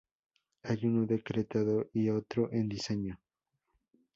Hay uno decretado y otro en diseño.